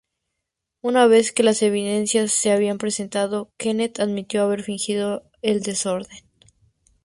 Una vez que las evidencias se habían presentado, Kenneth admitió haber fingido el desorden.